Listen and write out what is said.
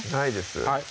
はい